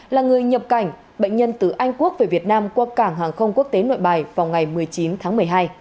là người nhập cảnh bệnh nhân từ anh quốc về việt nam qua cảng hàng không quốc tế nội bài vào ngày một mươi chín tháng một mươi hai